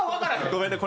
ごめんね